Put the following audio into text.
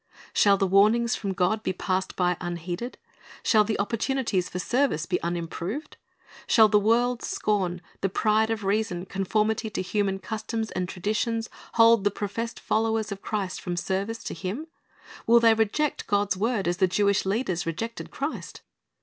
"^ Shall the warnings from God be passed by unheeded? Shall the opportunities for service be unimproved ? Shall the world's scorn, the pride of reason, conformity to human customs and traditions, hold the professed followers of Christ from service to Him ? Will they reject God's word as the Jewish leaders rejected Christ?